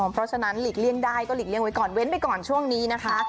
เพราะฉะนั้นหลีกเลี่ยงได้ก็หลีกเลี่ยงไว้ก่อนเว้นไปก่อนช่วงนี้นะคะ